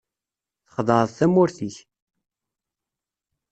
Txedɛeḍ tamurt-ik.